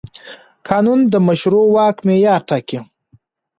قانون د مشروع واک معیار ټاکي.